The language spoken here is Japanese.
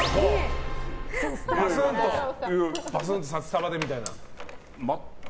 バスン！と札束で、みたいな。